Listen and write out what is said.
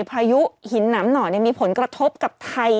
พายุหินหนามหน่อมีผลกระทบกับไทย